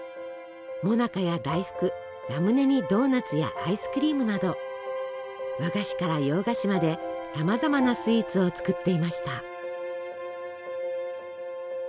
もなかや大福ラムネにドーナツやアイスクリームなど和菓子から洋菓子までさまざまなスイーツを作っていました。